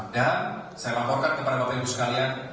dan saya laporkan kepada bapak ibu sekalian